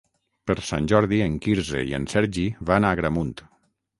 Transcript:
Per Sant Jordi en Quirze i en Sergi van a Agramunt.